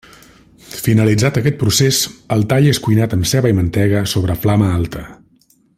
Finalitzat aquest procés, el tall és cuinat amb ceba i mantega sobre flama alta.